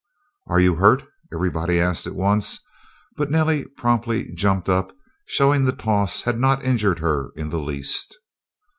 "Are you hurt?" everybody asked at once, but Nellie promptly jumped up, showing the toss had not injured her in the least.